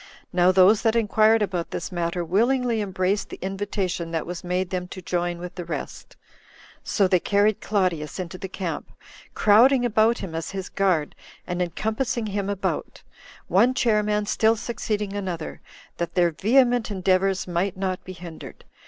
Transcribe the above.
Now those that inquired about this matter willingly embraced the invitation that was made them to join with the rest; so they carried Claudius into the camp, crowding about him as his guard, and encompassing him about, one chairman still succeeding another, that their vehement endeavors might not be hindered.